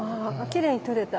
きれいに撮れた。